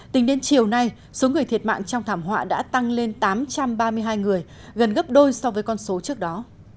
tính đến chiều nay số người thiệt mạng trong thảm họa đã tăng lên tám trăm ba mươi hai người gần gấp đôi so với con số trước đó